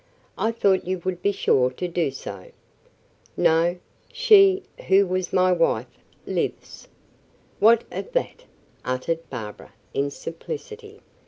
I thought you would be sure to do so." "No. She who was my wife lives." "What of that?" uttered Barbara, in simplicity.